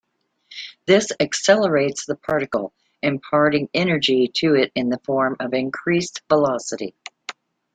This accelerates the particle, imparting energy to it in the form of increased velocity.